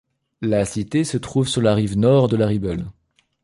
La Cité se trouve sur la rive nord de la Ribble.